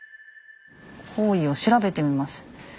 方位を調べてみます。